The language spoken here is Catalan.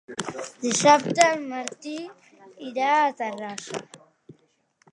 Dissabte en Martí irà a Terrassa.